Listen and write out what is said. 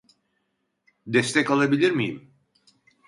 Destek alabilir miyim